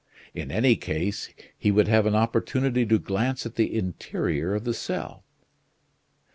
In any case, he would have an opportunity to glance at the interior of the cell.